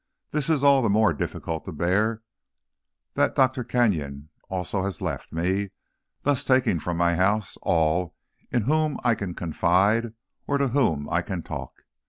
This is all the more difficult to bear that Dr. Kenyon also has left me, thus taking from my house all in whom I can confide or to whom I can talk.